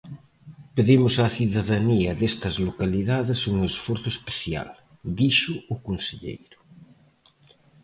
"Pedimos á cidadanía destas localidades un esforzo especial", dixo o conselleiro.